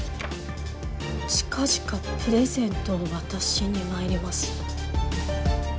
「近々プレゼントを渡しに参ります」。